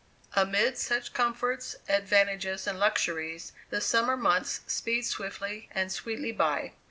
Amid such comforts, advantages, and luxuries the summer months speed swiftly and sweetly by.